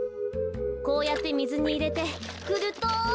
こうやってみずにいれてふると。